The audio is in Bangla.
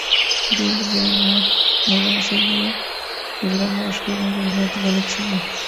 ডিক, জেন এবং স্যালিও কিছুটা বয়স্ক এবং কিছুটা অত্যাধুনিক ছিল।